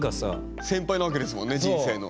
先輩なわけですもんね人生の。